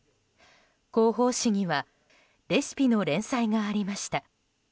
広報誌にはレシピの連載がありました。